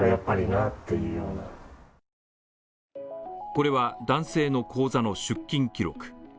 これは男性の口座の出金記録。